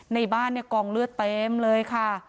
ในบ้านกองเลือดเต็มเลยค่ะ